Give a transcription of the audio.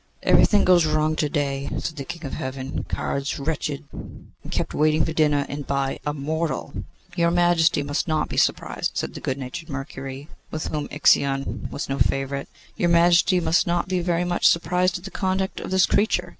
'Everything goes wrong to day,' said the King of Heaven; 'cards wretched, and kept waiting for dinner, and by a mortal!' 'Your Majesty must not be surprised,' said the good natured Mercury, with whom Ixion was no favourite. 'Your Majesty must not be very much surprised at the conduct of this creature.